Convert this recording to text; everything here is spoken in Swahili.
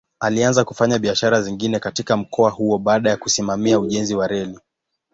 Alianza kufanya biashara zingine katika mkoa huo baada ya kusimamia ujenzi wa reli.